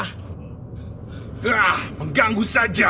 hah mengganggu saja